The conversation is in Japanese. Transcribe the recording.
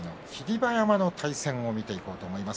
馬山の対戦を見ていこうと思います。